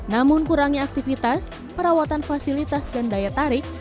namun kurangnya aktivitas perawatan fasilitas dan daya tarik